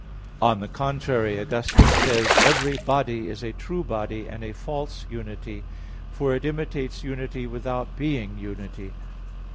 On the contrary, Augustine says (De Vera Relig. 34): "Every body is a true body and a false unity: for it imitates unity without being unity."